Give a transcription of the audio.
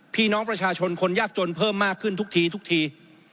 พี่น้องประชาชนคนยากจนเพิ่มมากขึ้นทุกทีทุกที